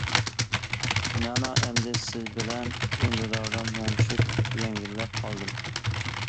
مانا ئەمدى، سىز بىلەن ئۈندىداردا مۇڭدىشىپ يەڭگىللەپ قالدىم.